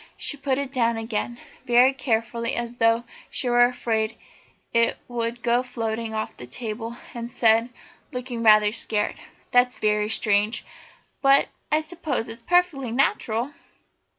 She put it down again very carefully as though she were afraid it would go floating off the table, and said, looking rather scared: "That's very strange, but I suppose it's all perfectly natural?"